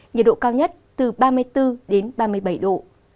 nhiệt độ cao nhất từ ba mươi bốn đến ba mươi bảy độ